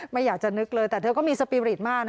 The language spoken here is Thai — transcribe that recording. ไม่อยากจะนึกเลยแต่เธอก็มีสปีริตมาก